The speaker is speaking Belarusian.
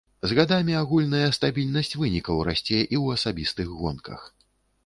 З гадамі агульная стабільнасць вынікаў расце і ў асабістых гонках.